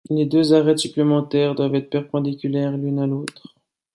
Les deux arêtes supplémentaires doivent être perpendiculaires l'une à l'autre.